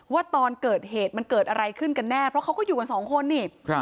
ว่าตอนเกิดเหตุมันเกิดอะไรขึ้นกันแน่เพราะเขาก็อยู่กันสองคนนี่